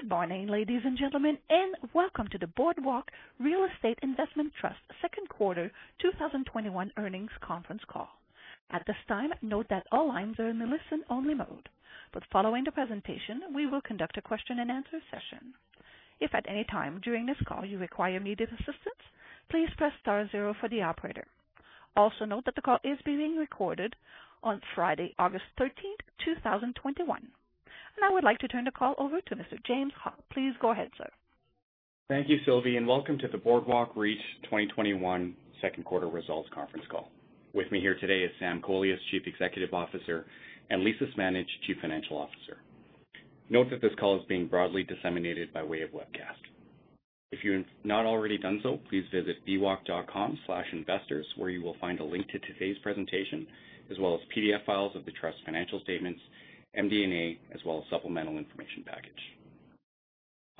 Good morning, ladies and gentlemen, and welcome to the Boardwalk Real Estate Investment Trust second quarter 2021 earnings conference call. At this time, note that all lines are in a listen-only mode. Following the presentation, we will conduct a question and answer session. If at any time during this call you require immediate assistance please press star zero for the operator. Also note that the call is being recorded on Friday, August 13th, 2021. Now I would like to turn the call over to Mr. James Ha. Please go ahead, sir. Thank you, Sylvie, and welcome to the Boardwalk REIT 2021 second quarter results conference call. With me here today is Sam Kolias, Chief Executive Officer, and Lisa Smandych, Chief Financial Officer. Note that this call is being broadly disseminated by way of webcast. If you've not already done so, please visit bwalk.com/investors where you will find a link to today's presentation, as well as PDF files of the Trust's financial statements, MD&A, as well as supplemental information package.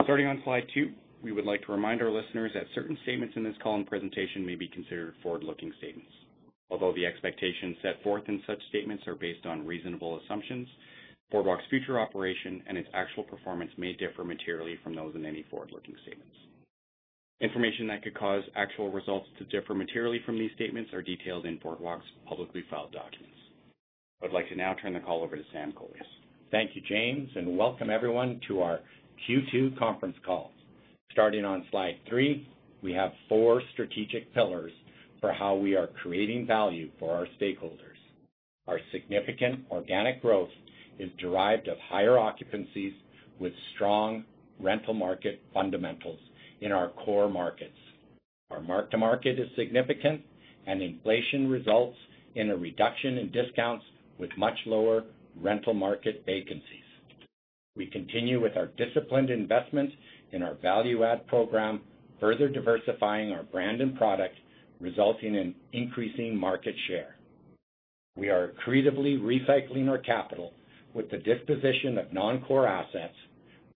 Starting on slide two, we would like to remind our listeners that certain statements in this call and presentation may be considered forward-looking statements. Although the expectations set forth in such statements are based on reasonable assumptions, Boardwalk's future operation and its actual performance may differ materially from those in any forward-looking statements. Information that could cause actual results to differ materially from these statements are detailed in Boardwalk's publicly filed documents. I would like to now turn the call over to Sam Kolias. Thank you, James, and welcome everyone to our Q2 conference call. Starting on slide three, we have four strategic pillars for how we are creating value for our stakeholders. Our significant organic growth is derived of higher occupancies with strong rental market fundamentals in our core markets. Our mark-to-market is significant and inflation results in a reduction in discounts with much lower rental market vacancies. We continue with our disciplined investments in our value add program, further diversifying our brand and product, resulting in increasing market share. We are accretively recycling our capital with the disposition of non-core assets,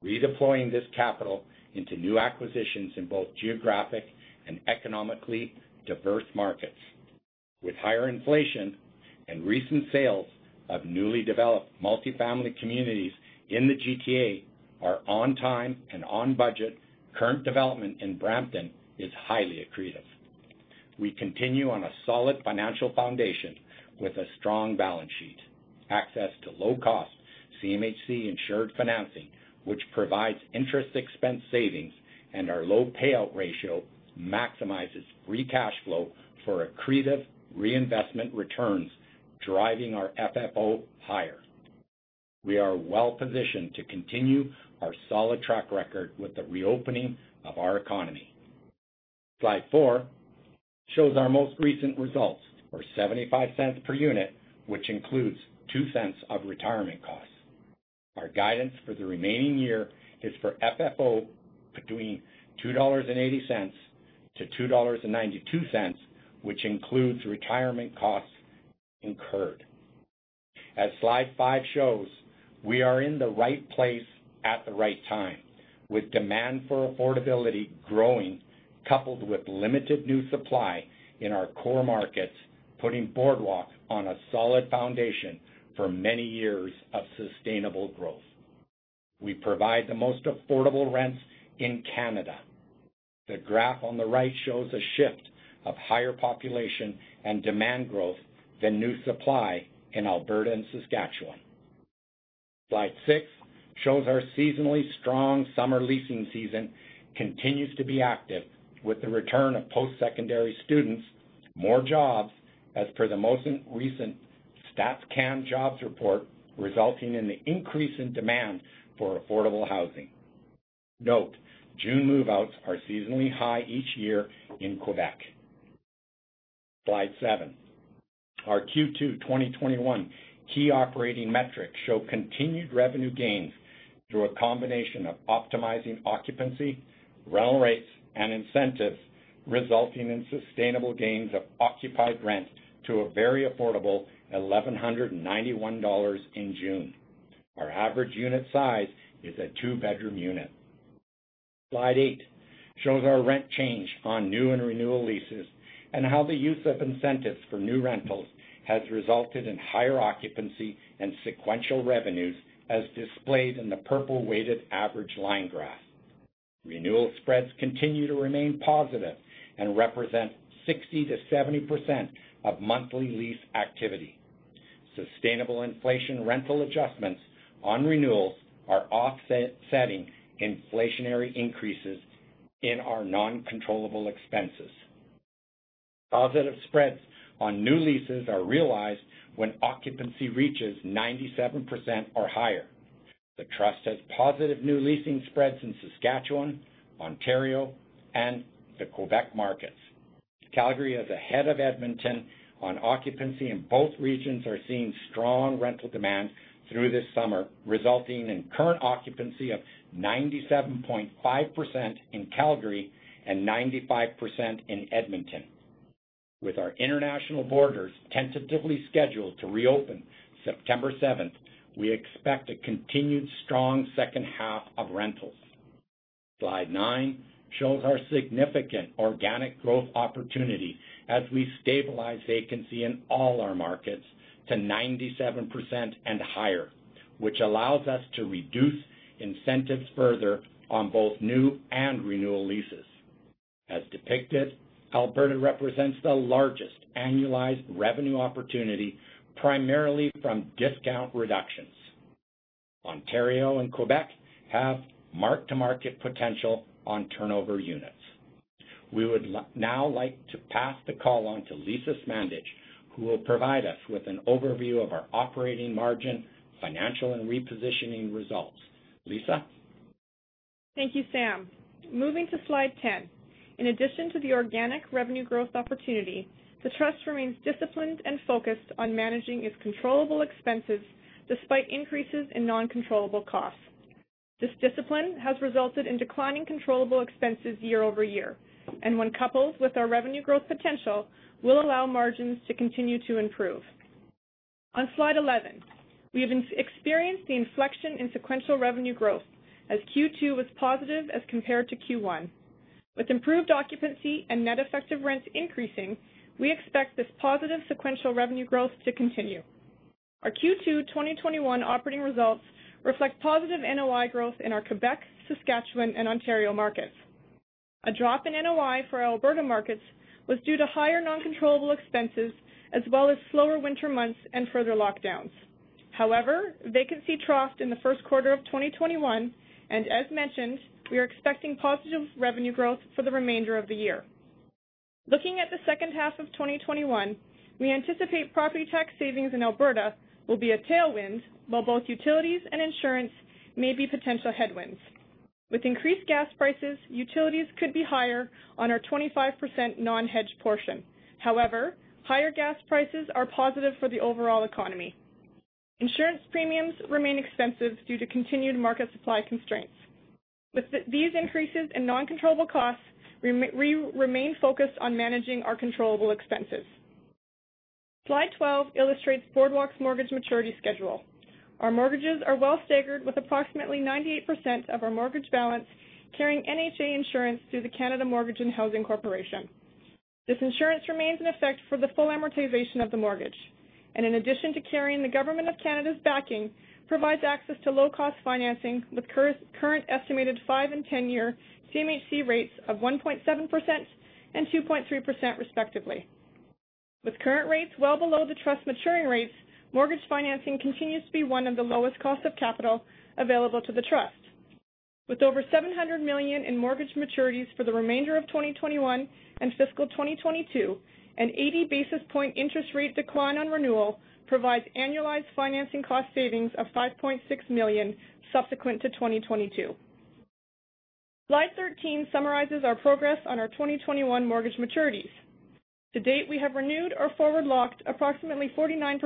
redeploying this capital into new acquisitions in both geographic and economically diverse markets. With higher inflation and recent sales of newly developed multi-family communities in the GTA are on time and on budget, current development in Brampton is highly accretive. We continue on a solid financial foundation with a strong balance sheet, access to low-cost CMHC-insured financing, which provides interest expense savings and our low payout ratio maximizes free cash flow for accretive reinvestment returns driving our FFO higher. We are well-positioned to continue our solid track record with the reopening of our economy. Slide four shows our most recent results for 0.75 per unit, which includes 0.02 of retirement costs. Our guidance for the remaining year is for FFO between 2.80-2.92 dollars, which includes retirement costs incurred. As Slide five shows, we are in the right place at the right time with demand for affordability growing, coupled with limited new supply in our core markets, putting Boardwalk on a solid foundation for many years of sustainable growth. We provide the most affordable rents in Canada. The graph on the right shows a shift of higher population and demand growth than new supply in Alberta and Saskatchewan. Slide six shows our seasonally strong summer leasing season continues to be active with the return of post-secondary students, more jobs as per the most recent StatCan jobs report resulting in the increase in demand for affordable housing. Note, June move-outs are seasonally high each year in Quebec. Slide seven. Our Q2 2021 key operating metrics show continued revenue gains through a combination of optimizing occupancy, rental rates and incentives resulting in sustainable gains of occupied rent to a very affordable 1,191 dollars in June. Our average unit size is a two-bedroom unit. Slide eight shows our rent change on new and renewal leases and how the use of incentives for new rentals has resulted in higher occupancy and sequential revenues as displayed in the purple weighted average line graph. Renewal spreads continue to remain positive and represent 60%-70% of monthly lease activity. Sustainable inflation rental adjustments on renewals are offsetting inflationary increases in our non-controllable expenses. Positive spreads on new leases are realized when occupancy reaches 97% or higher. The trust has positive new leasing spreads in Saskatchewan, Ontario, and the Quebec markets. Calgary is ahead of Edmonton on occupancy and both regions are seeing strong rental demand through this summer, resulting in current occupancy of 97.5% in Calgary and 95% in Edmonton. With our international borders tentatively scheduled to reopen September 7th, we expect a continued strong second half of rentals. Slide nine shows our significant organic growth opportunity as we stabilize vacancy in all our markets to 97% and higher, which allows us to reduce incentives further on both new and renewal leases. As depicted, Alberta represents the largest annualized revenue opportunity, primarily from discount reductions. Ontario and Quebec have mark-to-market potential on turnover units. We would now like to pass the call on to Lisa Smandych, who will provide us with an overview of our operating margin, financial, and repositioning results. Lisa? Thank you, Sam. Moving to slide 10. In addition to the organic revenue growth opportunity, the trust remains disciplined and focused on managing its controllable expenses, despite increases in non-controllable costs. This discipline has resulted in declining controllable expenses year-over-year. When coupled with our revenue growth potential, will allow margins to continue to improve. On slide 11, we have experienced the inflection in sequential revenue growth, as Q2 was positive as compared to Q1. With improved occupancy and net effective rents increasing, we expect this positive sequential revenue growth to continue. Our Q2 2021 operating results reflect positive NOI growth in our Quebec, Saskatchewan, and Ontario markets. A drop in NOI for our Alberta markets was due to higher non-controllable expenses, as well as slower winter months and further lockdowns. However, vacancy troughed in the first quarter of 2021, and as mentioned, we are expecting positive revenue growth for the remainder of the year. Looking at the second half of 2021, we anticipate property tax savings in Alberta will be a tailwind, while both utilities and insurance may be potential headwinds. With increased gas prices, utilities could be higher on our 25% non-hedged portion. However, higher gas prices are positive for the overall economy. Insurance premiums remain expensive due to continued market supply constraints. With these increases in non-controllable costs, we remain focused on managing our controllable expenses. Slide 12 illustrates Boardwalk's mortgage maturity schedule. Our mortgages are well staggered with approximately 98% of our mortgage balance carrying NHA insurance through the Canada Mortgage and Housing Corporation. This insurance remains in effect for the full amortization of the mortgage, and in addition to carrying the Government of Canada's backing, provides access to low-cost financing with current estimated five and 10-year CMHC rates of 1.7% and 2.3% respectively. With current rates well below the Trust maturing rates, mortgage financing continues to be one of the lowest cost of capital available to the Trust. With over 700 million in mortgage maturities for the remainder of 2021 and fiscal 2022, an 80 basis point interest rate decline on renewal provides annualized financing cost savings of 5.6 million subsequent to 2022. Slide 13 summarizes our progress on our 2021 mortgage maturities. To date, we have renewed or forward-locked approximately 49%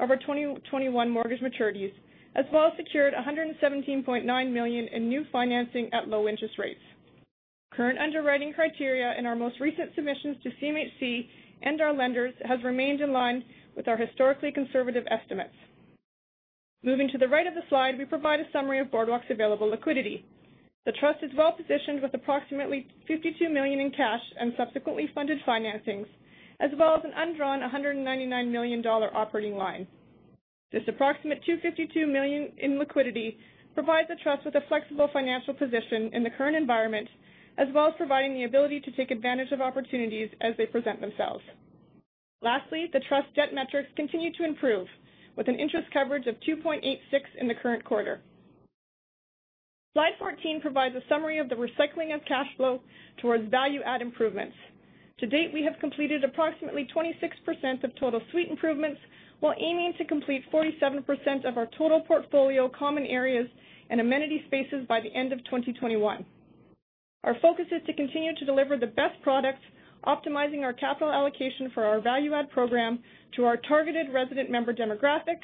of our 2021 mortgage maturities, as well as secured 117.9 million in new financing at low interest rates. Current underwriting criteria in our most recent submissions to CMHC and our lenders has remained in line with our historically conservative estimates. Moving to the right of the slide, we provide a summary of Boardwalk's available liquidity. The trust is well-positioned with approximately 52 million in cash and subsequently funded financings, as well as an undrawn 199 million dollar operating line. This approximate 252 million in liquidity provides the trust with a flexible financial position in the current environment, as well as providing the ability to take advantage of opportunities as they present themselves. Lastly, the trust debt metrics continue to improve, with an interest coverage of 2.86 in the current quarter. Slide 14 provides a summary of the recycling of cash flow towards value add improvements. To date, we have completed approximately 26% of total suite improvements, while aiming to complete 47% of our total portfolio common areas and amenity spaces by the end of 2021. Our focus is to continue to deliver the best products, optimizing our capital allocation for our value add program to our targeted resident member demographic,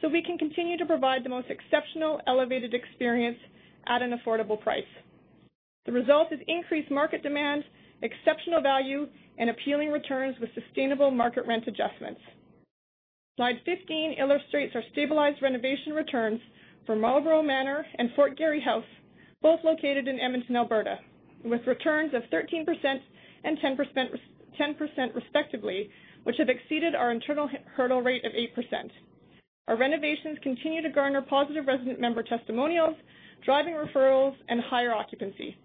so we can continue to provide the most exceptional elevated experience at an affordable price. The result is increased market demand, exceptional value, and appealing returns with sustainable market rent adjustments. Slide 15 illustrates our stabilized renovation returns for Marlborough Manor and Fort Garry House, both located in Edmonton, Alberta, with returns of 13% and 10% respectively, which have exceeded our internal hurdle rate of 8%. Our renovations continue to garner positive resident member testimonials, driving referrals, and higher occupancy.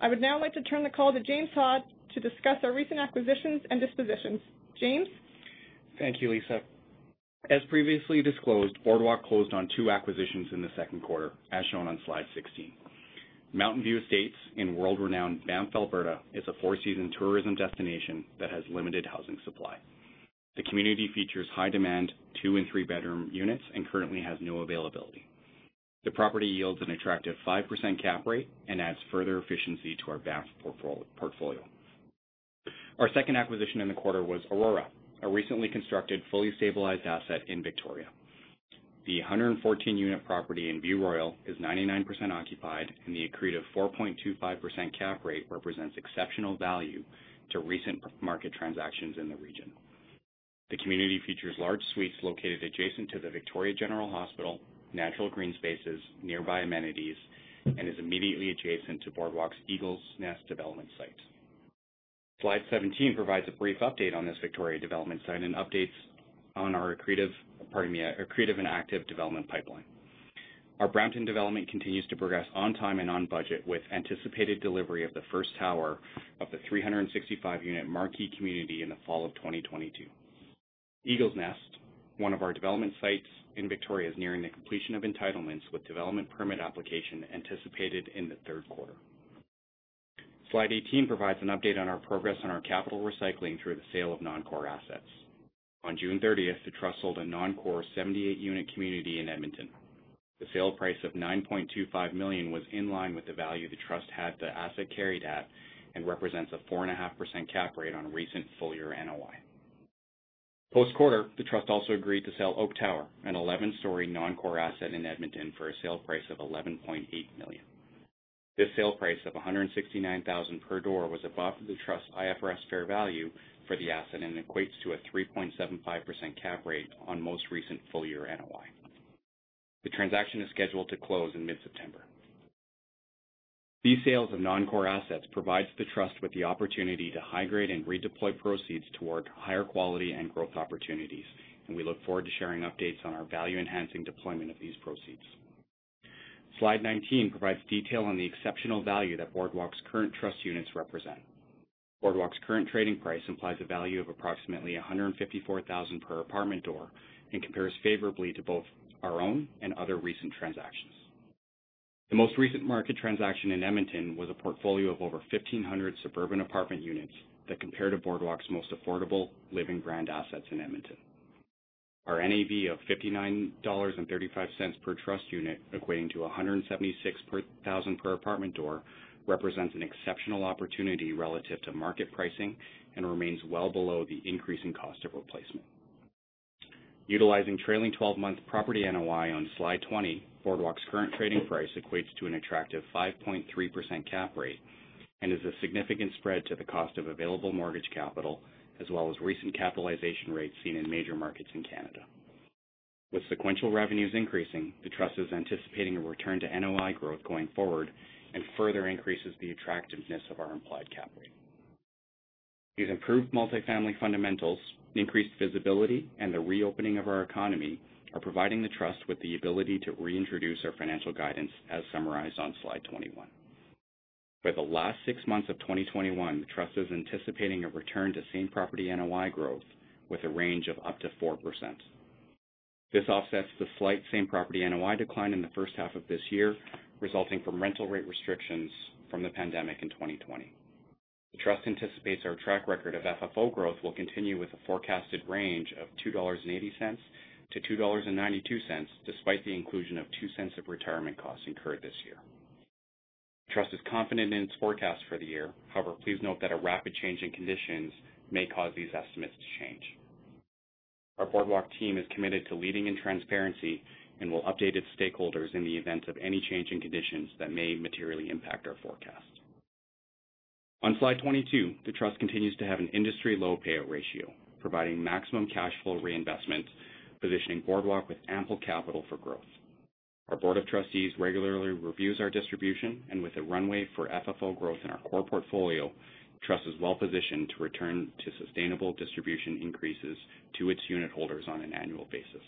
I would now like to turn the call to James Ha to discuss our recent acquisitions and dispositions. James? Thank you, Lisa. As previously disclosed, Boardwalk closed on two acquisitions in the second quarter, as shown on slide 16. Mountainview Estates in world-renowned Banff, Alberta, is a four-season tourism destination that has limited housing supply. The community features high-demand two and three-bedroom units and currently has no availability. The property yields an attractive 5% cap rate and adds further efficiency to our Banff portfolio. Our second acquisition in the quarter was Aurora, a recently constructed, fully stabilized asset in Victoria. The 114-unit property in View Royal is 99% occupied. The accretive 4.25% cap rate represents exceptional value to recent market transactions in the region. The community features large suites located adjacent to the Victoria General Hospital, natural green spaces, nearby amenities, and is immediately adjacent to Boardwalk's Eagles Nest development site. Slide 17 provides a brief update on this Victoria development site and updates on our accretive and active development pipeline. Our Brampton development continues to progress on time and on budget, with anticipated delivery of the first tower of the 365-unit Marquee community in the fall of 2022. Eagles Nest, one of our development sites in Victoria, is nearing the completion of entitlements with development permit application anticipated in the third quarter. Slide 18 provides an update on our progress on our capital recycling through the sale of non-core assets. On June 30th, the trust sold a non-core 78-unit community in Edmonton. The sale price of 9.25 million was in line with the value the trust had the asset carried at and represents a 4.5% cap rate on recent full-year NOI. Post quarter, the trust also agreed to sell Oak Tower, an 11-story non-core asset in Edmonton, for a sale price of 11.8 million. This sale price of 169,000 per door was above the trust IFRS fair value for the asset and equates to a 3.75% cap rate on most recent full-year NOI. The transaction is scheduled to close in mid-September. These sales of non-core assets provides the trust with the opportunity to high grade and redeploy proceeds toward higher quality and growth opportunities, and we look forward to sharing updates on our value-enhancing deployment of these proceeds. Slide 19 provides detail on the exceptional value that Boardwalk's current trust units represent. Boardwalk's current trading price implies a value of approximately 154,000 per apartment door and compares favorably to both our own and other recent transactions. The most recent market transaction in Edmonton was a portfolio of over 1,500 suburban apartment units that compare to Boardwalk's most affordable Boardwalk Living assets in Edmonton. Our NAV of 59.35 dollars per trust unit, equating to 176,000 per apartment door, represents an exceptional opportunity relative to market pricing and remains well below the increasing cost of replacement. Utilizing trailing 12-month property NOI on Slide 20, Boardwalk's current trading price equates to an attractive 5.3% cap rate and is a significant spread to the cost of available mortgage capital, as well as recent capitalization rates seen in major markets in Canada. With sequential revenues increasing, the trust is anticipating a return to NOI growth going forward and further increases the attractiveness of our implied cap rate. These improved multifamily fundamentals, increased visibility, and the reopening of our economy are providing the trust with the ability to reintroduce our financial guidance as summarized on Slide 21. For the last six months of 2021, the trust is anticipating a return to same property NOI growth with a range of up to 4%. This offsets the slight same property NOI decline in the first half of this year, resulting from rental rate restrictions from the pandemic in 2020. The trust anticipates our track record of FFO growth will continue with a forecasted range of 2.80-2.92 dollars, despite the inclusion of 0.02 of retirement costs incurred this year. Trust is confident in its forecast for the year. However, please note that a rapid change in conditions may cause these estimates to change. Our Boardwalk team is committed to leading in transparency and will update its stakeholders in the event of any change in conditions that may materially impact our forecast. On Slide 22, the Trust continues to have an industry-low payout ratio, providing maximum cash flow reinvestment, positioning Boardwalk with ample capital for growth. Our board of trustees regularly reviews our distribution. With a runway for FFO growth in our core portfolio, the Trust is well-positioned to return to sustainable distribution increases to its unit holders on an annual basis.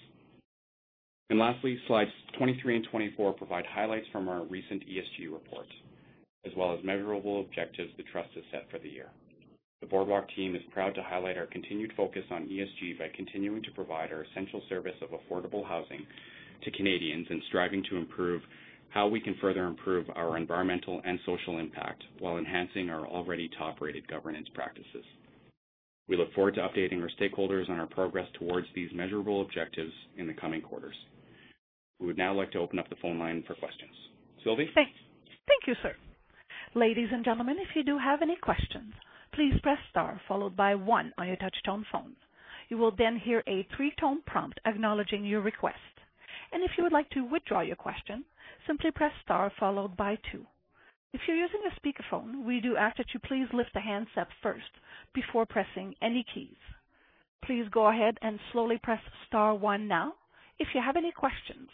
Lastly, Slides 23 and 24 provide highlights from our recent ESG report, as well as measurable objectives the Trust has set for the year. The Boardwalk team is proud to highlight our continued focus on ESG by continuing to provide our essential service of affordable housing to Canadians and striving to improve how we can further improve our environmental and social impact while enhancing our already top-rated governance practices. We look forward to updating our stakeholders on our progress towards these measurable objectives in the coming quarters. We would now like to open up the phone line for questions. Sylvie? Thank you, sir. Ladies and gentlemen, if you do have any questions, please press star followed by one on your touchtone phone. You will then hear a three-tone prompt acknowledging your request. If you would like to withdraw your question, simply press star followed by two. If you're using a speakerphone, we do ask that you please lift the handset first before pressing any keys. Please go ahead and slowly press star one now if you have any questions.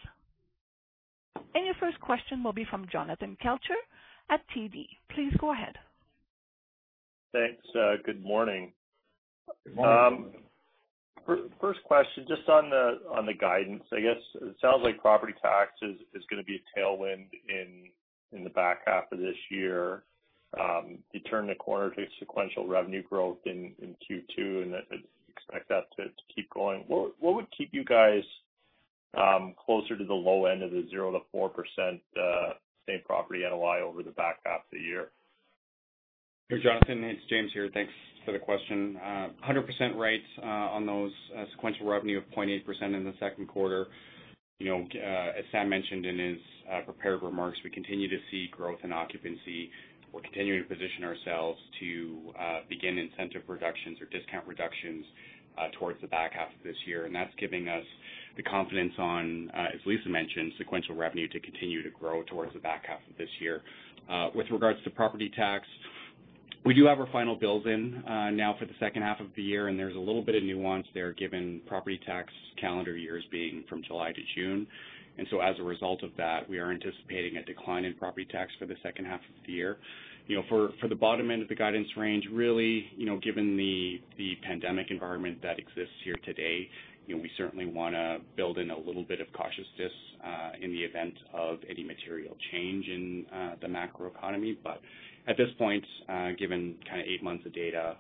Your first question will be from Jonathan Kelcher at TD. Please go ahead. Thanks. Good morning. Good morning. First question, just on the guidance. I guess it sounds like property tax is going to be a tailwind in the back half of this year. You turned the corner to sequential revenue growth in Q2, and you expect that to keep going. What would keep you guys closer to the low end of the 0%-4% same property NOI over the back half of the year? Jonathan, it's James here. Thanks for the question. 100% right on those sequential revenue of 0.8% in the second quarter. As Sam mentioned in his prepared remarks, we continue to see growth in occupancy. We're continuing to position ourselves to begin incentive reductions or discount reductions towards the back half of this year. That's giving us the confidence on, as Lisa mentioned, sequential revenue to continue to grow towards the back half of this year. With regards to property tax. We do have our final bills in now for the second half of the year. There's a little bit of nuance there given property tax calendar years being from July to June. As a result of that, we are anticipating a decline in property tax for the second half of the year. For the bottom end of the guidance range, really, given the pandemic environment that exists here today, we certainly want to build in a little bit of cautiousness in the event of any material change in the macroeconomy. At this point, given eight months of data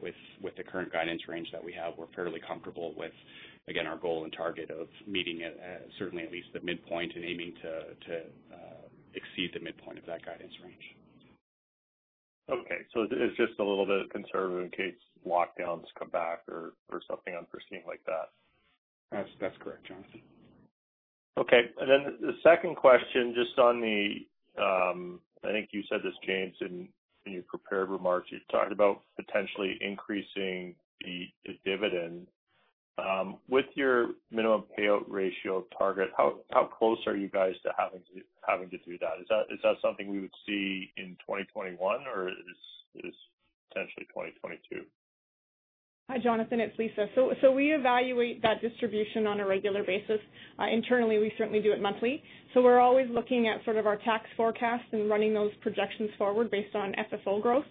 with the current guidance range that we have, we're fairly comfortable with, again, our goal and target of meeting certainly at least the midpoint and aiming to exceed the midpoint of that guidance range. Okay. It is just a little bit conservative in case lockdowns come back or something unforeseen like that. That's correct, Jonathan. Okay. The second question, just on I think you said this, James, in your prepared remarks. You talked about potentially increasing the dividend. With your minimum payout ratio target, how close are you guys to having to do that? Is that something we would see in 2021, or is this potentially 2022? Hi, Jonathan. It's Lisa. We evaluate that distribution on a regular basis. Internally, we certainly do it monthly. We're always looking at sort of our tax forecast and running those projections forward based on FFO growth.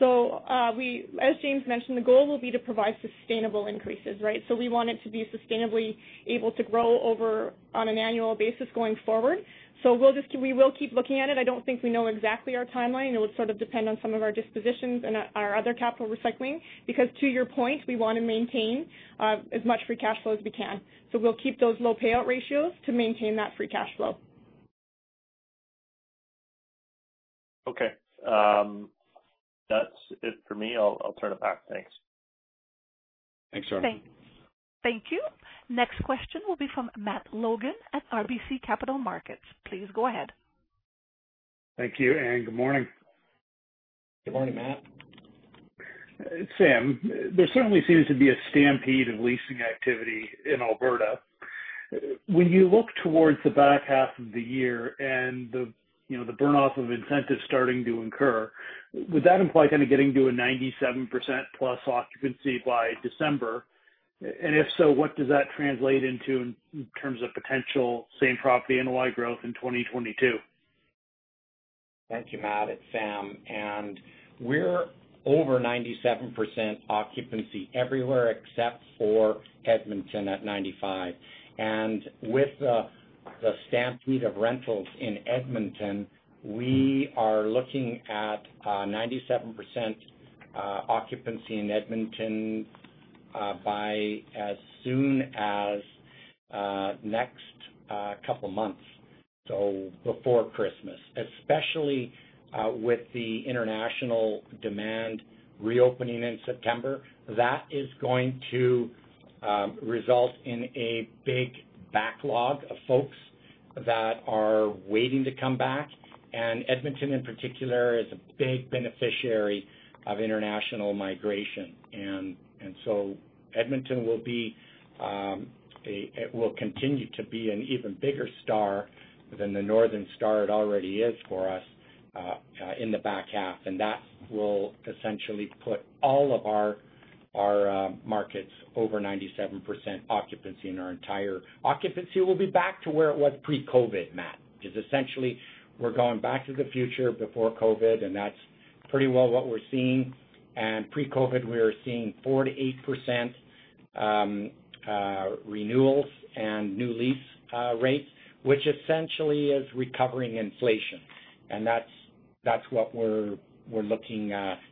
As James mentioned, the goal will be to provide sustainable increases, right? We want it to be sustainably able to grow over on an annual basis going forward. We will keep looking at it. I don't think we know exactly our timeline. It would sort of depend on some of our dispositions and our other capital recycling, because to your point, we want to maintain as much free cash flow as we can. We'll keep those low payout ratios to maintain that free cash flow. Okay. That's it for me. I'll turn it back. Thanks. Thanks, Jonathan. Thanks. Thank you. Next question will be from Matt Logan at RBC Capital Markets. Please go ahead. Thank you. Good morning. Good morning, Matt. Sam, there certainly seems to be a stampede of leasing activity in Alberta. When you look towards the back half of the year and the burn-off of incentives starting to incur, would that imply kind of getting to a 97%+ occupancy by December? If so, what does that translate into in terms of potential same property NOI growth in 2022? Thank you, Matt. It's Sam. We're over 97% occupancy everywhere except for Edmonton at 95%. With the stampede of rentals in Edmonton, we are looking at 97% occupancy in Edmonton by as soon as next couple months, so before Christmas. Especially with the international demand reopening in September, that is going to result in a big backlog of folks that are waiting to come back. Edmonton in particular is a big beneficiary of international migration. Edmonton will continue to be an even bigger star than the northern star it already is for us in the back half. That will essentially put all of our markets over 97% occupancy, and our entire occupancy will be back to where it was pre-COVID, Matt. Essentially, we're going back to the future before COVID, and that's pretty well what we're seeing. Pre-COVID, we were seeing 4%-8% renewals and new lease rates, which essentially is recovering inflation. That's what we're looking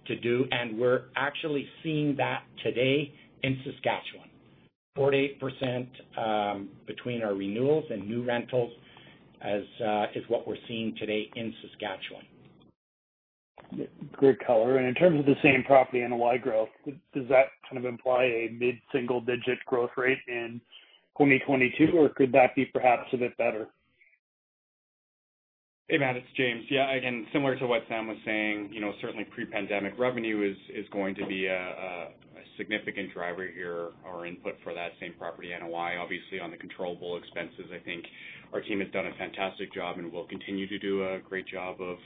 to do. We're actually seeing that today in Saskatchewan. 4%-8% between our renewals and new rentals is what we're seeing today in Saskatchewan. Great color. In terms of the same property NOI growth, does that kind of imply a mid-single-digit growth rate in 2022, or could that be perhaps a bit better? Hey, Matt, it's James. Yeah, again, similar to what Sam was saying, certainly pre-pandemic revenue is going to be a significant driver here or input for that same property NOI. Obviously, on the controllable expenses, I think our team has done a fantastic job and will continue to do a great job of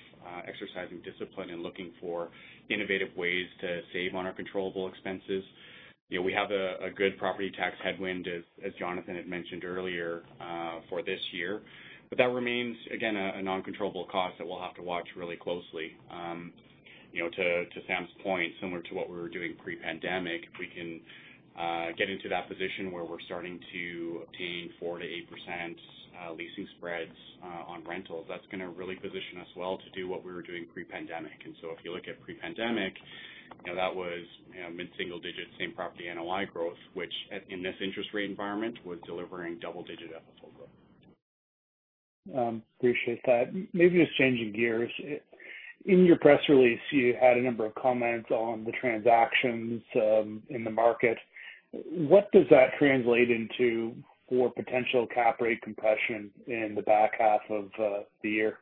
exercising discipline and looking for innovative ways to save on our controllable expenses. We have a good property tax headwind, as Jonathan had mentioned earlier, for this year. That remains, again, a non-controllable cost that we'll have to watch really closely. To Sam's point, similar to what we were doing pre-pandemic, if we can get into that position where we're starting to obtain 4%-8% leasing spreads on rentals, that's going to really position us well to do what we were doing pre-pandemic. If you look at pre-pandemic, that was mid-single digit, same property NOI growth, which in this interest rate environment was delivering double-digit FFO growth. Appreciate that. Maybe just changing gears. In your press release, you had a number of comments on the transactions in the market. What does that translate into for potential cap rate compression in the back half of the year?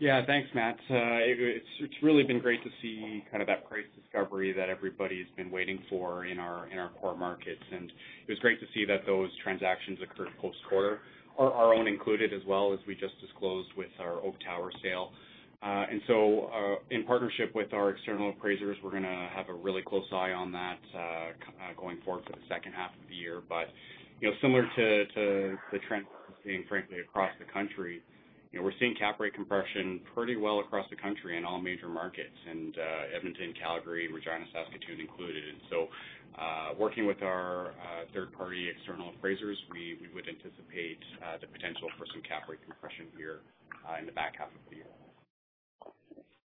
Yeah. Thanks, Matt. It's really been great to see that price discovery that everybody's been waiting for in our core markets. It was great to see that those transactions occurred post-quarter, our own included as well, as we just disclosed with our Oak Tower sale. So, in partnership with our external appraisers, we're going to have a really close eye on that going forward for the second half of the year. Similar to the trends we're seeing, frankly, across the country, we're seeing cap rate compression pretty well across the country in all major markets, and Edmonton, Calgary, Regina, Saskatoon included. So, working with our third-party external appraisers, we would anticipate the potential for some cap rate compression here in the back half of the year.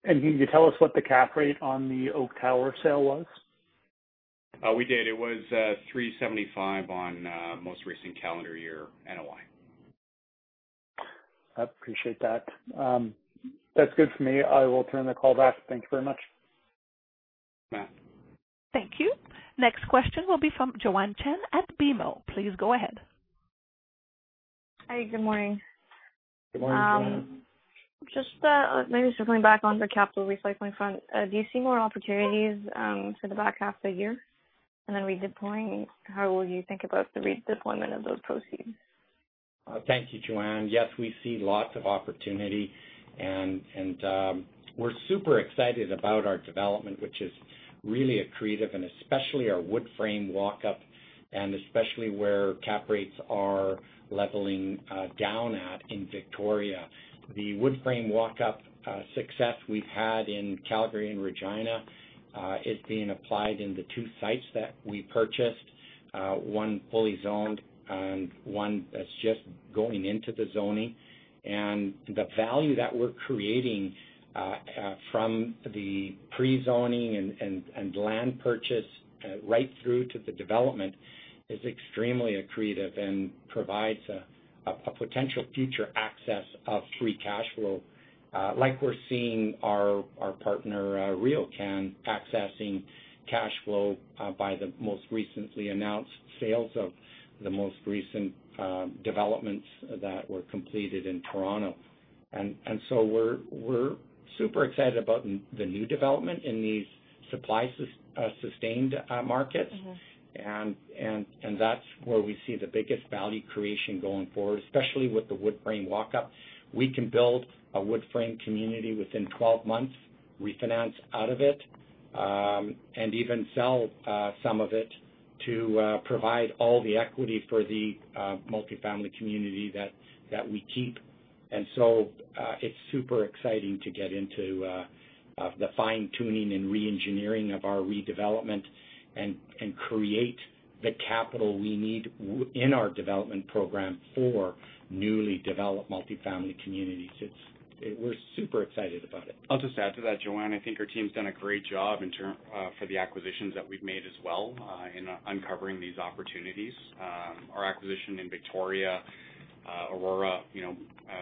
Can you tell us what the cap rate on the Oak Tower sale was? We did. It was 375 on most recent calendar year NOI. I appreciate that. That's good for me. I will turn the call back. Thank you very much. Yeah. Thank you. Next question will be from Joanne Chen at BMO. Please go ahead. Hi. Good morning. Good morning, Joanne. Just maybe circling back on the capital recycling front, do you see more opportunities for the back half of the year? Redeploying, how will you think about the redeployment of those proceeds? Thank you, Joanne. Yes, we see lots of opportunity, and we're super excited about our development, which is really accretive, and especially our wood-frame walk-up, and especially where cap rates are leveling down at in Victoria. The wood-frame walk-up success we've had in Calgary and Regina is being applied in the two sites that we purchased, one fully zoned and one that's just going into the zoning. The value that we're creating from the pre-zoning and land purchase right through to the development is extremely accretive and provides a potential future access of free cash flow. Like we're seeing our partner, RioCan, accessing cash flow by the most recently announced sales of the most recent developments that were completed in Toronto. We're super excited about the new development in these supply-sustained markets. That's where we see the biggest value creation going forward, especially with the wood-frame walk-up. We can build a wood-frame community within 12 months, refinance out of it, and even sell some of it to provide all the equity for the multifamily community that we keep. It's super exciting to get into the fine-tuning and re-engineering of our redevelopment and create the capital we need in our development program for newly developed multifamily communities. We're super excited about it. I'll just add to that, Joanne. I think our team's done a great job for the acquisitions that we've made as well in uncovering these opportunities. Our acquisition in Victoria, Aurora,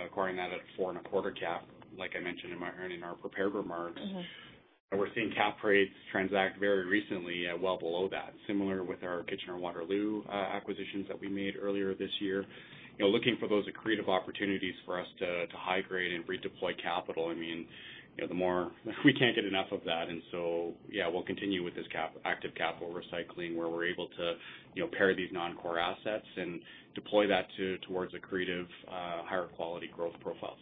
acquiring that at four and a quarter cap, like I mentioned in our prepared remarks. We're seeing cap rates transact very recently at well below that. Similar with our Kitchener-Waterloo acquisitions that we made earlier this year. Looking for those accretive opportunities for us to high-grade and redeploy capital. We can't get enough of that, and so yeah, we'll continue with this active capital recycling where we're able to pair these non-core assets and deploy that towards accretive higher-quality growth profiles.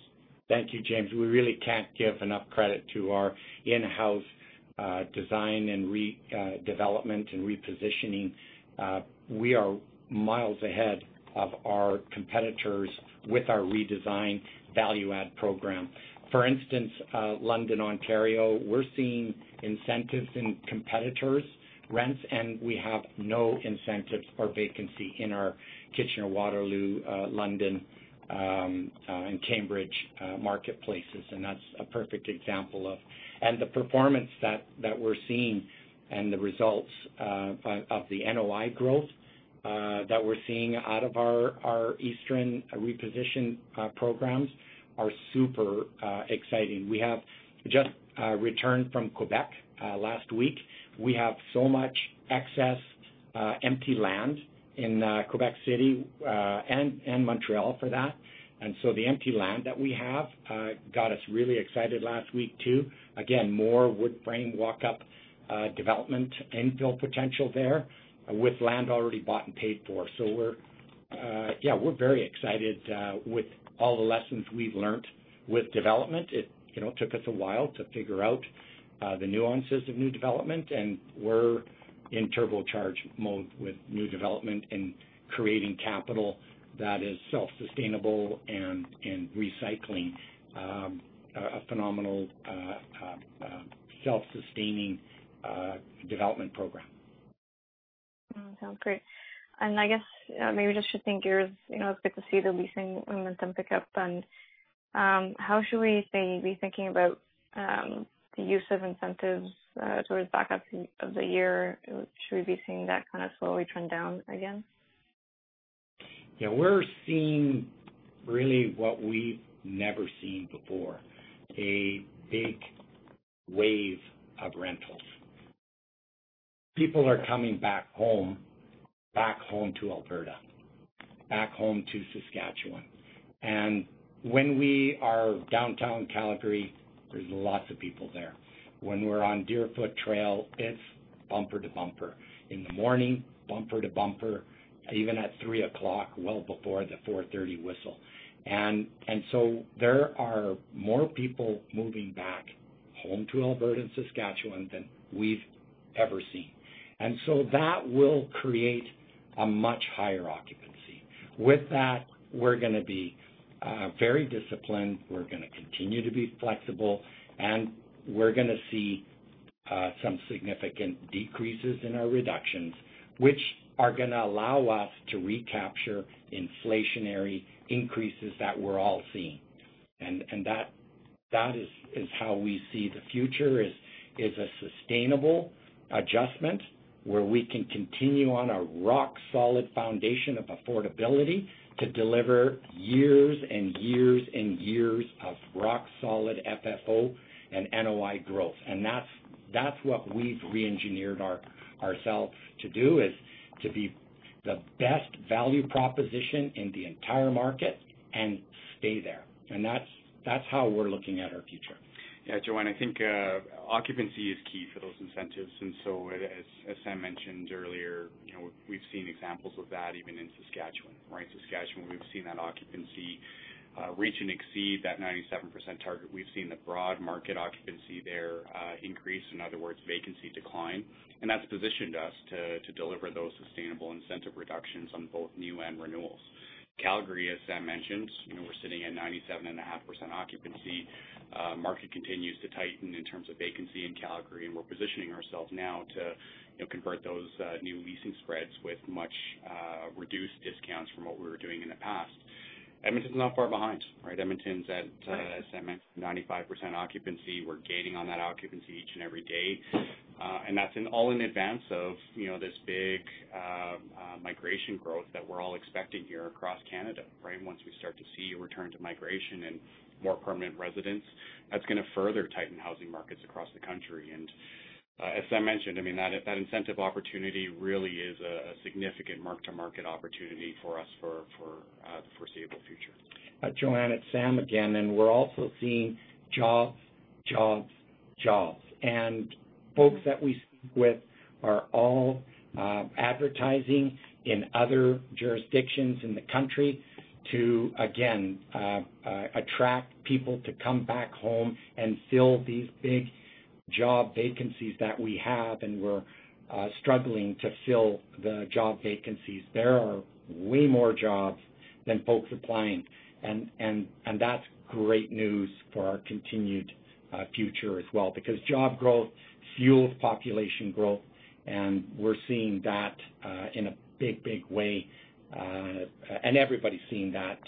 Thank you, James. We really can't give enough credit to our in-house design and redevelopment and repositioning. We are miles ahead of our competitors with our redesign value add program. For instance, London, Ontario, we're seeing incentives in competitors' rents, we have no incentives for vacancy in our Kitchener-Waterloo, London, and Cambridge marketplaces. That's a perfect example. The performance that we're seeing and the results of the NOI growth that we're seeing out of our eastern reposition programs are super exciting. We have just returned from Quebec last week. We have so much excess empty land in Quebec City and Montreal for that. The empty land that we have got us really excited last week, too. Again, more wood-frame walk-up development infill potential there with land already bought and paid for. Yeah, we're very excited with all the lessons we've learned with development. It took us a while to figure out the nuances of new development, and we're in turbocharge mode with new development and creating capital that is self-sustainable and recycling a phenomenal self-sustaining development program. Sounds great. I guess maybe just shifting gears, it's good to see the leasing momentum pick up. How should we, say, be thinking about the use of incentives towards the back half of the year? Should we be seeing that kind of slowly trend down again? Yeah. We're seeing really what we've never seen before, a big wave of rentals. People are coming back home. Back home to Alberta, back home to Saskatchewan. When we are downtown Calgary, there's lots of people there. When we're on Deerfoot Trail, it's bumper to bumper. In the morning, bumper to bumper, even at 3:00P.M., well before the 4:30P.M. Whistle. There are more people moving back home to Alberta and Saskatchewan than we've ever seen. That will create a much higher occupancy. With that, we're going to be very disciplined, we're going to continue to be flexible, and we're going to see some significant decreases in our reductions, which are going to allow us to recapture inflationary increases that we're all seeing. That is how we see the future, is a sustainable adjustment where we can continue on a rock-solid foundation of affordability to deliver years and years and years of rock-solid FFO and NOI growth. That's what we've reengineered ourselves to do, is to be the best value proposition in the entire market and stay there. That's how we're looking at our future. Joanne, I think occupancy is key for those incentives. As Sam mentioned earlier, we've seen examples of that even in Saskatchewan, right. Saskatchewan, we've seen that occupancy reach and exceed that 97% target. We've seen the broad market occupancy there increase, in other words, vacancy decline. That's positioned us to deliver those sustainable incentive reductions on both new and renewals. Calgary, as Sam mentioned, we're sitting at 97.5% occupancy. Market continues to tighten in terms of vacancy in Calgary, and we're positioning ourselves now to convert those new leasing spreads with much reduced discounts from what we were doing in the past. Edmonton's not far behind, right. Edmonton's at. Right. As Sam mentioned, 95% occupancy. We're gaining on that occupancy each and every day. That's all in advance of this big migration growth that we're all expecting here across Canada, right? Once we start to see a return to migration and more permanent residents, that's going to further tighten housing markets across the country. As Sam mentioned, that incentive opportunity really is a significant mark-to-market opportunity for us for the foreseeable future. Joanne, it's Sam again. We're also seeing jobs, jobs, jobs. Folks that we speak with are all advertising in other jurisdictions in the country to, again, attract people to come back home and fill these big job vacancies that we have, and we're struggling to fill the job vacancies. There are way more jobs than folks applying, and that's great news for our continued future as well. Because job growth fuels population growth, and we're seeing that in a big way. Everybody's seeing that,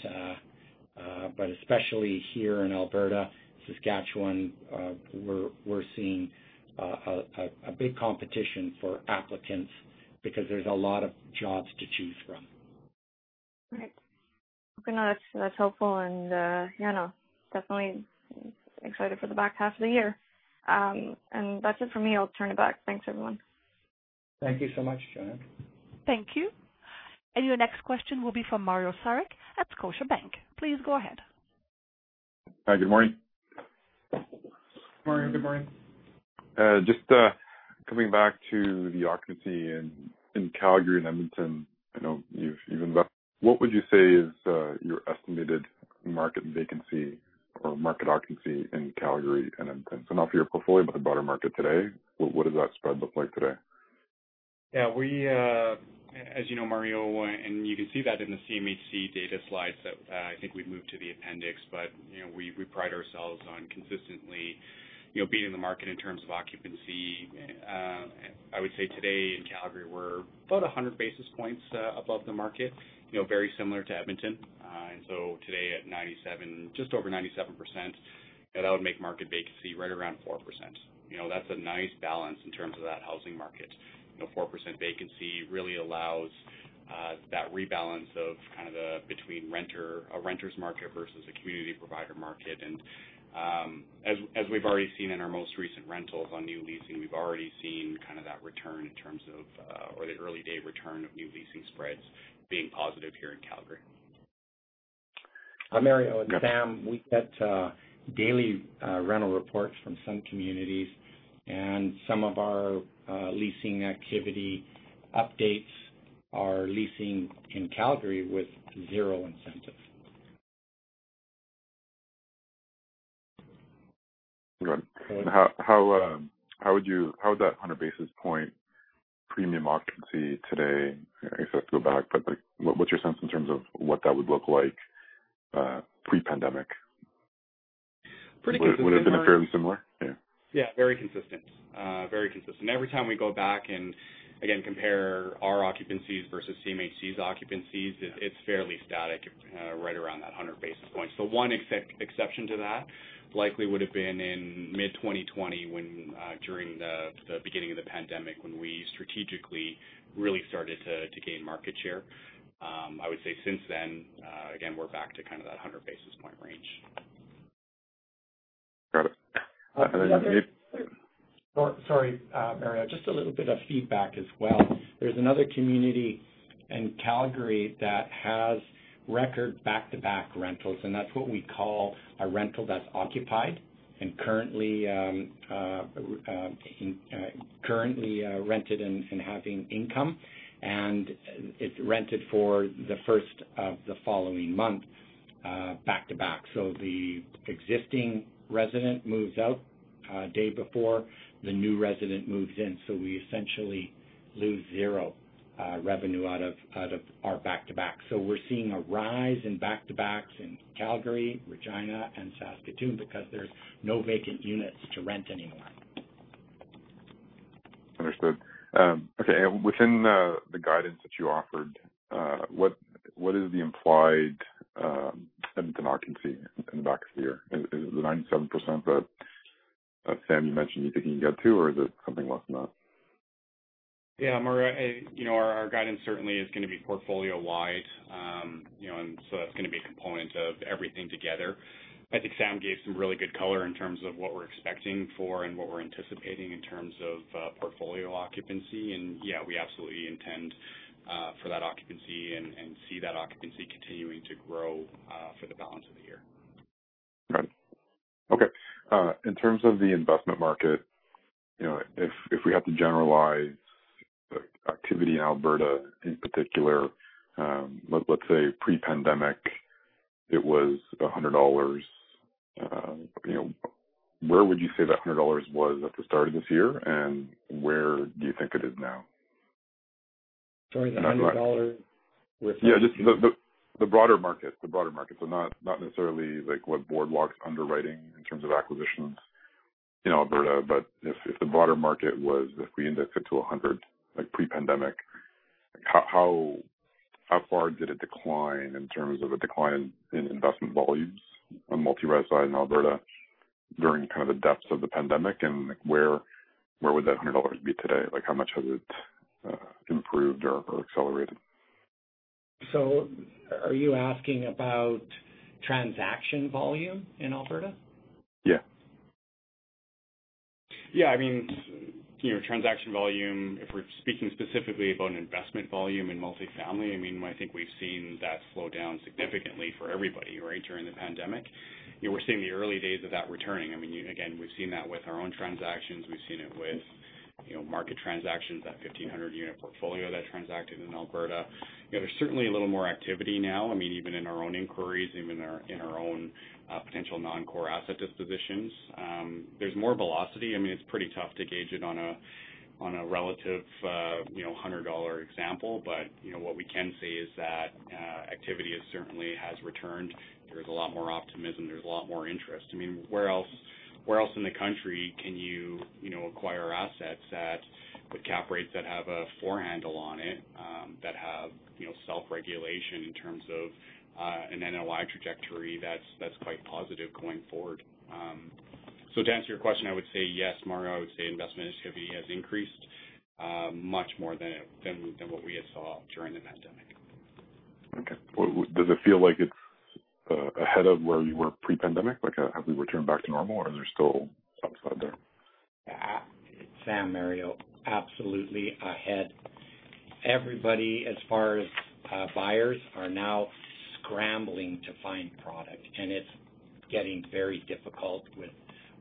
but especially here in Alberta, Saskatchewan, we're seeing a big competition for applicants because there's a lot of jobs to choose from. Right. Okay, no, that's helpful. Yeah, no, definitely excited for the back half of the year. That's it for me. I'll turn it back. Thanks, everyone. Thank you so much, Joanne. Thank you. Your next question will be from Mario Saric at Scotiabank. Please go ahead. Hi, good morning. Mario, good morning. Just coming back to the occupancy in Calgary and Edmonton. I know you've invested. What would you say is your estimated market vacancy or market occupancy in Calgary and Edmonton? Not for your portfolio, but the broader market today, what does that spread look like today? As you know, Mario, you can see that in the CMHC data slides that I think we've moved to the appendix, we pride ourselves on consistently beating the market in terms of occupancy. I would say today in Calgary, we're about 100 basis points above the market. Very similar to Edmonton. Today at just over 97%, that would make market vacancy right around 4%. That's a nice balance in terms of that housing market. 4% vacancy really allows that rebalance between a renters market versus a community provider market. As we've already seen in our most recent rentals on new leasing, we've already seen that return in terms of or the early-day return of new leasing spreads being positive here in Calgary. Mario, it's Sam. Yeah. We get daily rental reports from some communities, and some of our leasing activity updates are leasing in Calgary with zero incentive. Okay. How would that 100 basis point premium occupancy today I guess I have to go back, but what's your sense in terms of what that would look like pre-pandemic? Pretty consistent. Would it have been fairly similar? Yeah. Yeah, very consistent. Very consistent. Every time we go back and, again, compare our occupancies versus CMHC's occupancies, it's fairly static right around that 100 basis points. One exception to that likely would've been in mid-2020 during the beginning of the pandemic when we strategically really started to gain market share. I would say since then, again, we're back to that 100 basis point range. Sorry, Mario. Just a little bit of feedback as well. There's another community in Calgary that has record back-to-back rentals, and that's what we call a rental that's occupied and currently rented and having income. It's rented for the first of the following month back-to-back. The existing resident moves out a day before the new resident moves in. We essentially lose zero revenue out of our back-to-back. We're seeing a rise in back-to-backs in Calgary, Regina, and Saskatoon because there's no vacant units to rent anymore. Understood. Okay. Within the guidance that you offered, what is the implied tenant vacancy in the back of the year? Is it the 97% that, Sam, you mentioned you think you can get to, or is it something less than that? Yeah. Mario, our guidance certainly is going to be portfolio-wide. That's going to be a component of everything together. I think Sam gave some really good color in terms of what we're expecting for and what we're anticipating in terms of portfolio occupancy. Yeah, we absolutely intend for that occupancy and see that occupancy continuing to grow for the balance of the year. Right. Okay. In terms of the investment market, if we have to generalize the activity in Alberta in particular, let's say pre-pandemic, it was 100 dollars. Where would you say that 100 dollars was at the start of this year, and where do you think it is now? Sorry, the CAD 100. Yeah, just the broader market. Not necessarily what Boardwalk's underwriting in terms of acquisitions in Alberta, but if the broader market was, if we indexed it to 100 pre-pandemic, how far did it decline in terms of a decline in investment volumes on multi-res side in Alberta during the depths of the pandemic, and where would that 100 dollars be today? How much has it improved or accelerated? Are you asking about transaction volume in Alberta? Yeah. Yeah. Transaction volume, if we're speaking specifically about an investment volume in multi-family, I think we've seen that slow down significantly for everybody, right, during the pandemic. We're seeing the early days of that returning. Again, we've seen that with our own transactions. We've seen it with market transactions, that 1,500 unit portfolio that transacted in Alberta. There is certainly a little more activity now. Even in our own inquiries, even in our own potential non-core asset dispositions. There is more velocity. It is pretty tough to gauge it on a relative 100 example. But what we can say is that activity certainly has returned. There is a lot more optimism. There is a lot more interest. Where else in the country can you acquire assets with cap rates that have a four handle on it, that have self-regulation in terms of an NOI trajectory that is quite positive going forward? To answer your question, I would say yes, Mario. I would say investment activity has increased much more than what we had saw during the pandemic. Does it feel like it's ahead of where you were pre-pandemic? Have we returned back to normal, or is there still upside there? Sam, Mario. Absolutely ahead. Everybody, as far as buyers, are now scrambling to find product, and it's getting very difficult with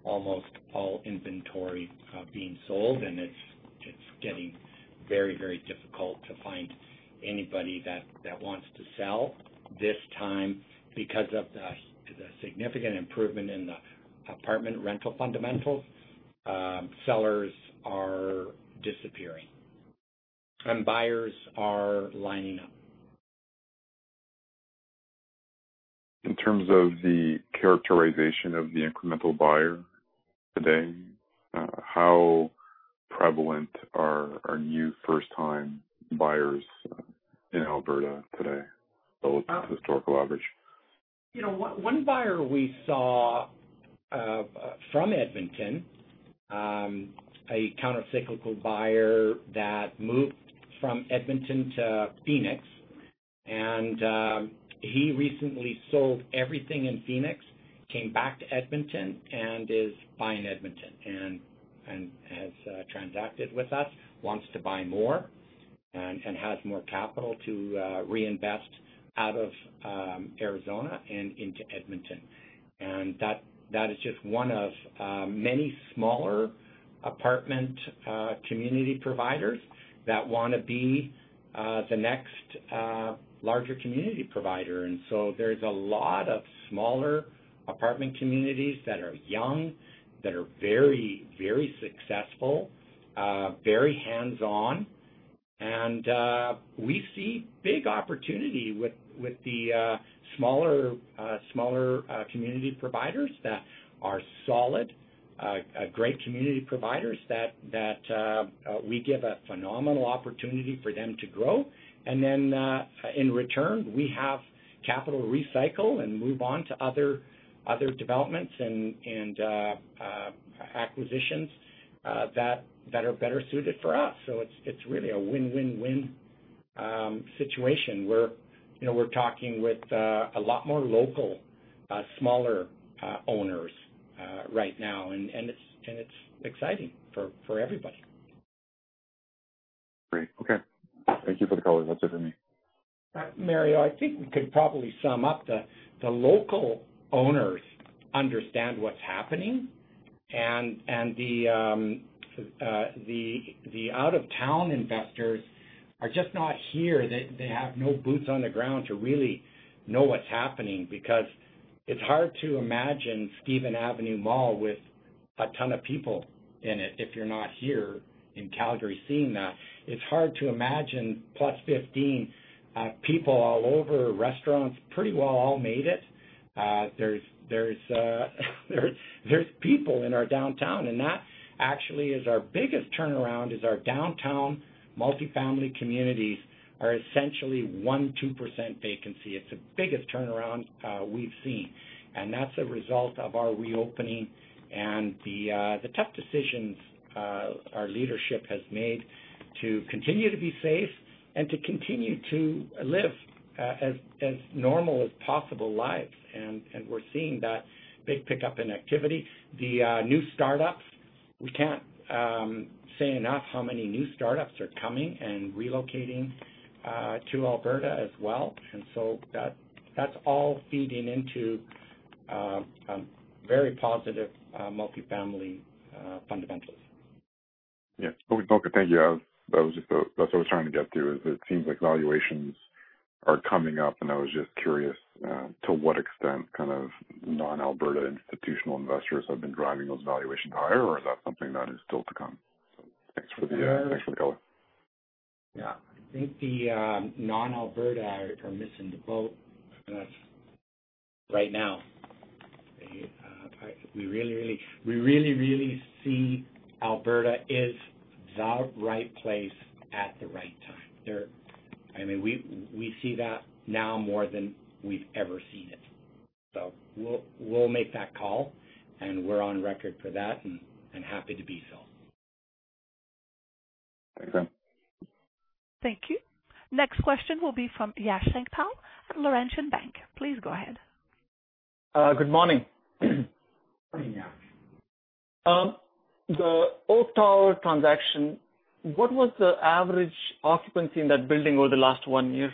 almost all inventory being sold, and it's getting very difficult to find anybody that wants to sell this time because of the significant improvement in the apartment rental fundamentals. Sellers are disappearing, and buyers are lining up. In terms of the characterization of the incremental buyer today, how prevalent are new first-time buyers in Alberta today relative to historical average? One buyer we saw from Edmonton, a counter-cyclical buyer that moved from Edmonton to Phoenix, and he recently sold everything in Phoenix, came back to Edmonton, and is buying Edmonton, and has transacted with us, wants to buy more, and has more capital to reinvest out of Arizona and into Edmonton. That is just one of many smaller apartment community providers that want to be the next larger community provider. There's a lot of smaller apartment communities that are young, that are very successful, very hands-on. We see big opportunity with the smaller community providers that are solid, great community providers that we give a phenomenal opportunity for them to grow. In return, we have capital recycle and move on to other developments and acquisitions that are better suited for us. It's really a win-win-win situation where we're talking with a lot more local, smaller owners right now, and it's exciting for everybody. Great. Okay. Thank you for the color. That's it for me. Mario, I think we could probably sum up the local owners understand what's happening, and the out-of-town investors are just not here. They have no boots on the ground to really know what's happening, because it's hard to imagine Stephen Avenue Mall with a ton of people in it if you're not here in Calgary seeing that. It's hard to imagine Plus 15, people all over, restaurants pretty well all made it. There's people in our downtown, and that actually is our biggest turnaround is our downtown multifamily communities are essentially 1%, 2% vacancy. It's the biggest turnaround we've seen. That's a result of our reopening and the tough decisions our leadership has made to continue to be safe and to continue to live as normal as possible lives. We're seeing that big pickup in activity. The new startups, we can't say enough how many new startups are coming and relocating to Alberta as well. That's all feeding into very positive multifamily fundamentals. Yeah. Thank you. That's what I was trying to get to, is it seems like valuations are coming up, and I was just curious to what extent non-Alberta institutional investors have been driving those valuations higher, or is that something that is still to come? Thanks for the color. Yeah. I think the non-Alberta are missing the boat right now. We really, really see Alberta is the right place at the right time. We see that now more than we've ever seen it. We'll make that call, and we're on record for that and happy to be so. Thanks, Sam. Thank you. Next question will be from Yash Sankpal at Laurentian Bank. Please go ahead. Good morning. Morning, Yash. The Oak Tower transaction, what was the average occupancy in that building over the last one year?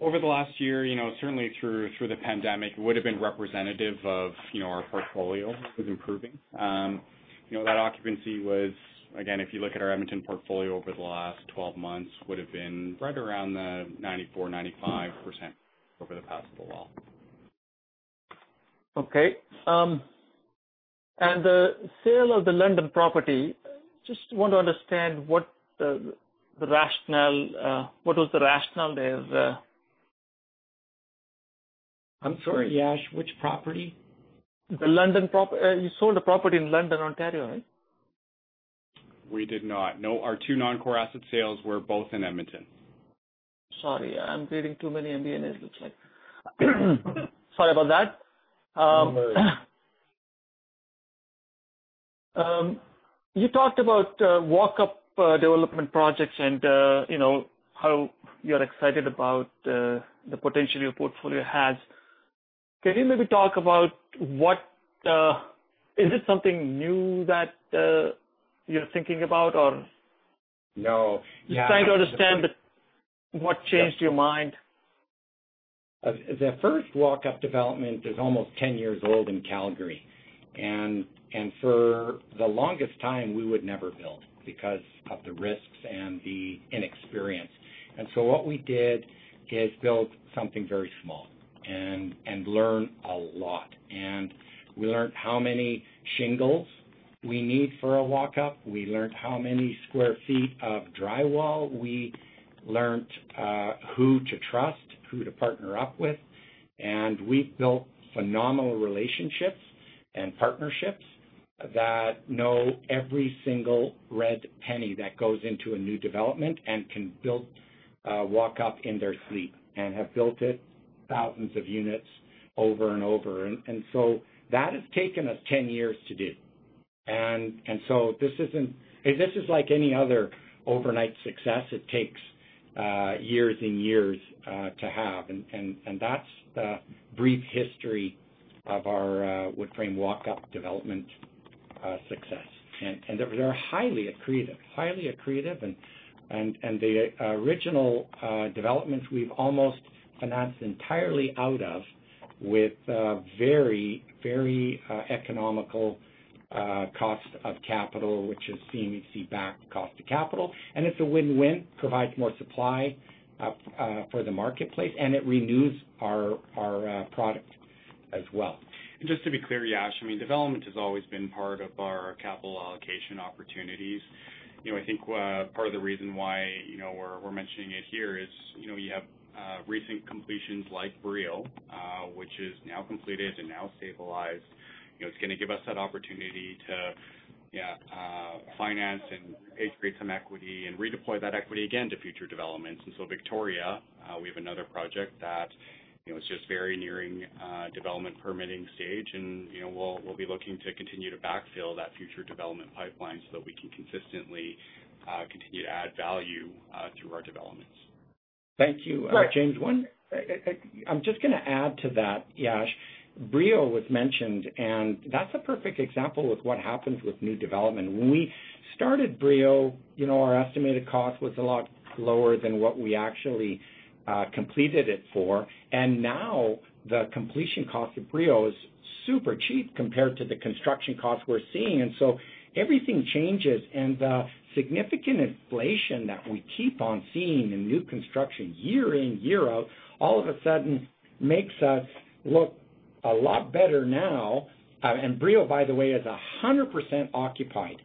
Over the last year, certainly through the pandemic, would've been representative of our portfolio. It was improving. That occupancy was, again, if you look at our Edmonton portfolio over the last 12 months, would've been right around the 94%-95% over the past 12 months. Okay. The sale of the London property, just want to understand what was the rationale there? I'm sorry, Yash, which property? The London property. You sold a property in London, Ontario, right? We did not. No. Our two non-core asset sales were both in Edmonton. Sorry. I'm reading too many MD&As, it looks like. Sorry about that. No worries. You talked about walk-up development projects and how you're excited about the potential your portfolio has. Can you maybe talk about is it something new that you're thinking about, or? No. Just trying to understand what changed your mind? The first walk-up development is almost 10 years old in Calgary. For the longest time, we would never build because of the risks and the inexperience. What we did is build something very small and learn a lot. We learned how many shingles we need for a walk-up, we learned how many square feet of drywall, we learned who to trust, who to partner up with, we've built phenomenal relationships and partnerships that know every single red penny that goes into a new development and can build a walk-up in their sleep and have built it thousands of units over and over. That has taken us 10 years to do. This isn't like any other overnight success. It takes years and years to have, and that's the brief history of our wood frame walk-up development success. They're highly accretive. The original developments we've almost financed entirely out of with very economical cost of capital, which is CMHC-backed cost of capital. It's a win-win. Provides more supply for the marketplace, and it renews our product as well. Just to be clear, Yash, development has always been part of our capital allocation opportunities. I think part of the reason why we're mentioning it here is you have recent completions like Brio, which is now completed and now stabilized. It's going to give us that opportunity to finance and create some equity and redeploy that equity again to future developments. Victoria, we have another project that is just very nearing development permitting stage, and we'll be looking to continue to backfill that future development pipeline so that we can consistently continue to add value through our developments. Thank you. James, I'm just going to add to that, Yash. Brio was mentioned, and that's a perfect example of what happens with new development. When we started Brio, our estimated cost was a lot lower than what we actually completed it for. Now the completion cost of Brio is super cheap compared to the construction costs we're seeing, so everything changes. The significant inflation that we keep on seeing in new construction year in, year out, all of a sudden makes us look a lot better now. Brio, by the way, is 100% occupied.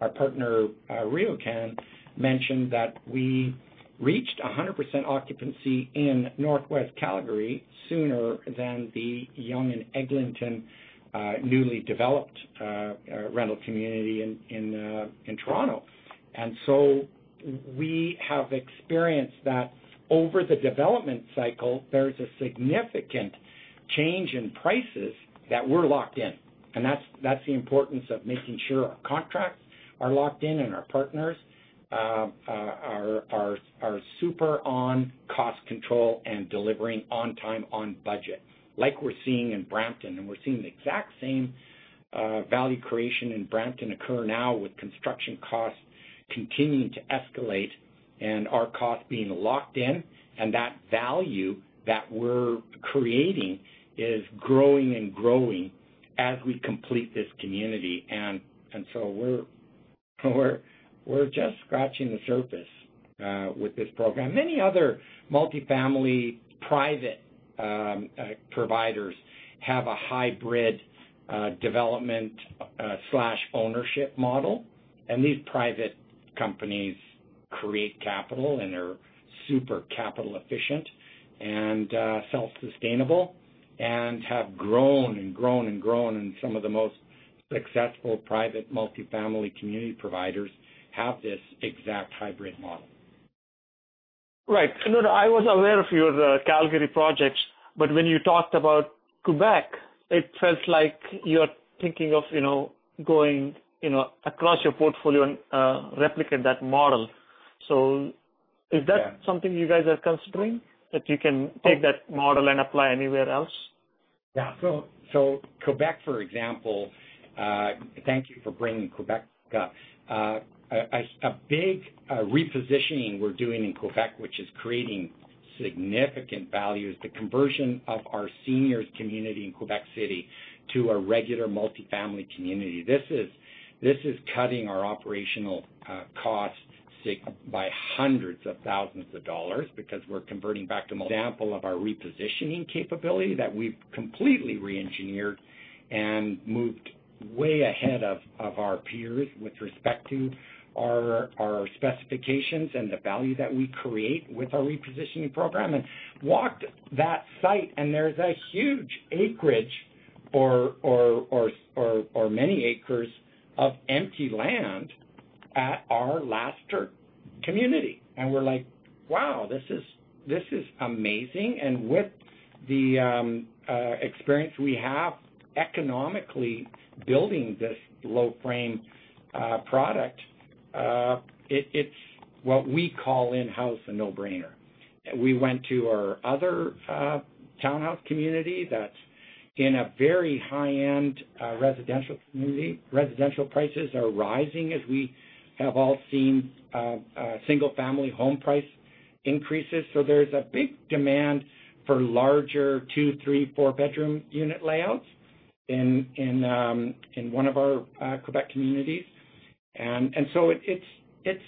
Our partner, RioCan, mentioned that we reached 100% occupancy in Northwest Calgary sooner than the Yonge and Eglinton newly developed rental community in Toronto. So we have experienced that over the development cycle, there's a significant change in prices that we're locked in, and that's the importance of making sure our contracts are locked in and our partners are super on cost control and delivering on time, on budget, like we're seeing in Brampton. We're seeing the exact same value creation in Brampton occur now with construction costs continuing to escalate and our costs being locked in. That value that we're creating is growing and growing as we complete this community. So we're just scratching the surface with this program. Many other multi-family private providers have a hybrid development/ownership model, and these private companies create capital, and they're super capital efficient and self-sustainable and have grown and grown and grown. Some of the most successful private multi-family community providers have this exact hybrid model. Right. No, no, I was aware of your Calgary projects, but when you talked about Quebec, it felt like you are thinking of going across your portfolio and replicate that model. Is that- Yeah. ...something you guys are considering, that you can take that model and apply anywhere else? Yeah. Quebec, for example. Thank you for bringing Quebec up. A big repositioning we're doing in Quebec, which is creating significant value, is the conversion of our seniors community in Quebec City to a regular multi-family community. This is cutting our operational costs by hundreds of thousands of dollars because we're converting back to example of our repositioning capability that we've completely re-engineered and moved way ahead of our peers with respect to our specifications and the value that we create with our repositioning program. Walked that site, and there's a huge acreage or many acres of empty land at our L'Astre community, and we're like, "Wow, this is amazing." With the experience we have economically building this low-frame product, it's what we call in-house a no-brainer. We went to our other townhouse community that's in a very high-end residential community. Residential prices are rising as we have all seen single-family home price increases. There's a big demand for larger two, three, four-bedroom unit layouts in one of our Quebec communities. It's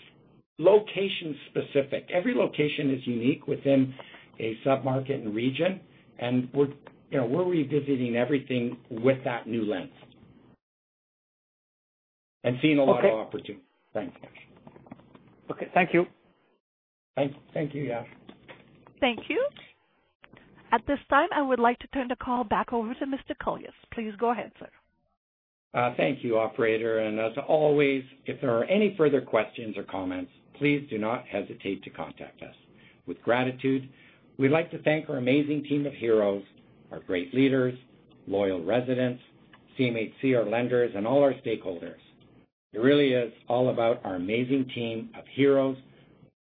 location specific. Every location is unique within a sub-market and region, and we're revisiting everything with that new lens and seeing a lot- Okay. ...of opportunity. Thanks, Yash. Okay. Thank you. Thank you, Yash. Thank you. At this time, I would like to turn the call back over to Mr. Kolias. Please go ahead, sir. Thank you, operator. As always, if there are any further questions or comments, please do not hesitate to contact us. With gratitude, we'd like to thank our amazing team of heroes, our great leaders, loyal residents, CMHC, our lenders, and all our stakeholders. It really is all about our amazing team of heroes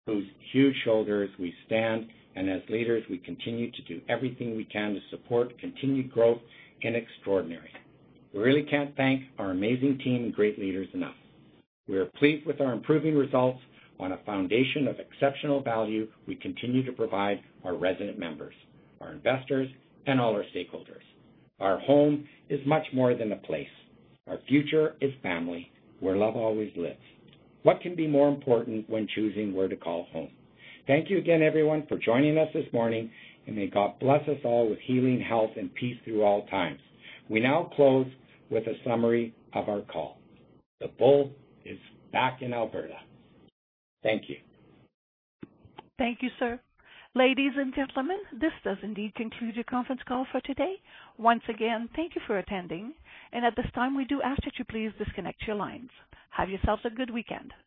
whose huge shoulders we stand on. As leaders, we continue to do everything we can to support continued growth and extraordinary. We really can't thank our amazing team and great leaders enough. We are pleased with our improving results. On a foundation of exceptional value, we continue to provide our resident members, our investors, and all our stakeholders. Our home is much more than a place. Our future is family, where love always lives. What can be more important when choosing where to call home? Thank you again, everyone, for joining us this morning. May God bless us all with healing, health, and peace through all times. We now close with a summary of our call. The bull is back in Alberta. Thank you. Thank you, sir. Ladies and gentlemen, this does indeed conclude your conference call for today. Once again, thank you for attending. At this time, we do ask that you please disconnect your lines. Have yourselves a good weekend.